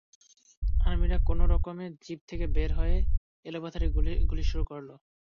আর্মিরা কোনো রকমে জিপ থেকে বের হয়ে এলোপাতাড়ি গুলি শুরু করল।